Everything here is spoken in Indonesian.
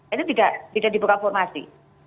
itu tidak dibuka formasi